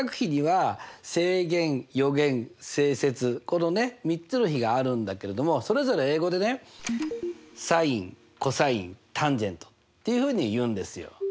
このね３つの比があるんだけれどもそれぞれ英語でねサインコサインタンジェントっていうふうに言うんですよ。